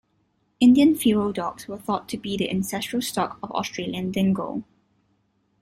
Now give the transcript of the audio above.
Indian feral dogs are thought to be the ancestral stock of Australian Dingo.